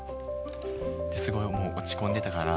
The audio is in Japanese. すごいもう落ち込んでたから。